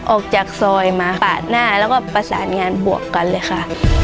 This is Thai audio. ออกจากซอยมาปาดหน้าแล้วก็ประสานงานบวกกันเลยค่ะ